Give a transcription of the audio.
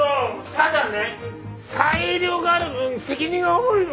ただね裁量がある分責任が重いの。